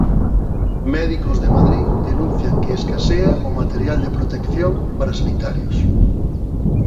Médicos de Madrid denuncian que escasea o material de protección para sanitarios.